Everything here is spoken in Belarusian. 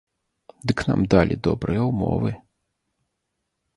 Дык нам далі добрыя ўмовы.